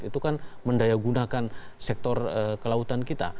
itu kan mendayagunakan sektor kelautan kita